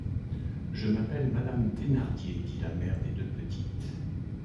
Je m’appelle madame Thénardier, dit la mère des deux petites.